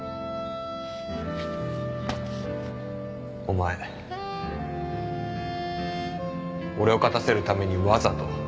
お前俺を勝たせるためにわざと。